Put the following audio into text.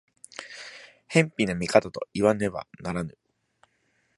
偏頗な見方といわねばならぬ。